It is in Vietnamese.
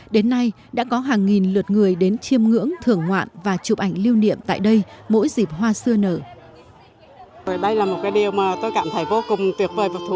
đến nay đã có hàng nghìn lượt người đến chiêm ngưỡng thưởng ngoạn và chụp ảnh lưu niệm tại đây mỗi dịp hoa xưa nở